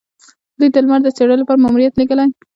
دوی د لمر د څیړلو لپاره ماموریت لیږلی.